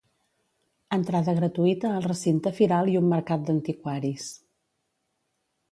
Entrada gratuïta al recinte firal i un mercat d'antiquaris.